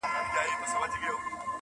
ډېر ناوخته کارګه پوه سو غولېدلی٫